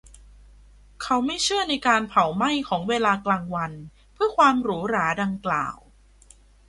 เขาไม่เชื่อในการเผาไหม้ของเวลากลางวันเพื่อความหรูหราดังกล่าว